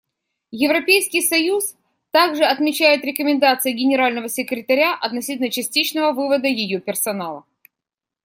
Европейский союз также отмечает рекомендации Генерального секретаря относительно частичного вывода ее персонала.